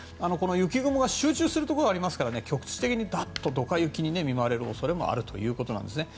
この雪雲が集中するところがありますから局地的にドカ雪に見舞われる恐れもあるということです。